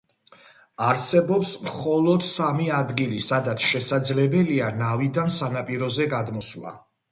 არსებობს მხოლოდ სამი ადგილი, სადაც შესაძლებელია ნავიდან სანაპიროზე გადმოსვლა.